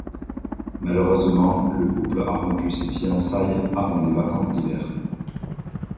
Malheureusement, le couple a rompu ses fiançailles avant les vacances d'hiver.